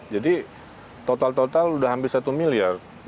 jadi total total udah hampir satu miliar